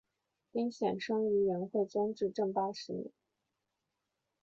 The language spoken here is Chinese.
丁显生于元惠宗至正十八年。